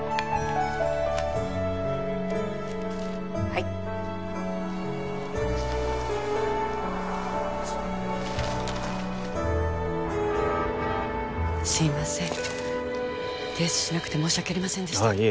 はいすいません提出しなくて申し訳ありませんでしたああ